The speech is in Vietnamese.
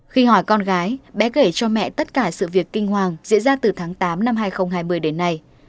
khi hỏi con gái bé gậy cho mẹ tất cả sự việc kinh hoàng diễn ra từ tháng tám năm hai nghìn hai mươi đến nay